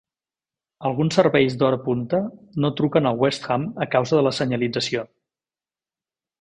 Alguns serveis de hora punta no truquen al West Ham a causa de la senyalització.